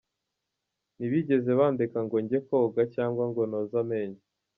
Ntibigeze bandeka ngo njye koga cyangwa ngo noze amenyo.